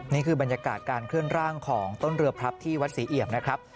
นี่คือบรรยากาศการเคลื่อนร่างของต้นเรือพลับที่วัดศรีเอี่ยมนะครับ